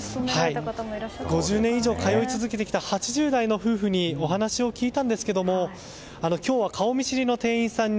５０年以上通い続けてきた８０代の夫婦にお話を聞いたんですけども今日は顔見知りの店員さんに